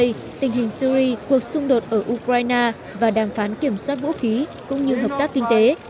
tình hình đến việc hợp tác đông tây tình hình syri cuộc xung đột ở ukraine và đàm phán kiểm soát vũ khí cũng như hợp tác kinh tế